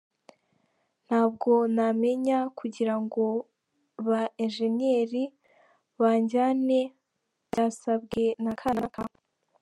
Ntabwo namenya kugira ngo ba ingénierie banjyane byasabwe na kanaka.